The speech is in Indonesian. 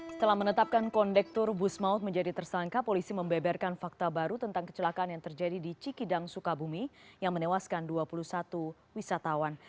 setelah menetapkan kondektur bus maut menjadi tersangka polisi membeberkan fakta baru tentang kecelakaan yang terjadi di cikidang sukabumi yang menewaskan dua puluh satu wisatawan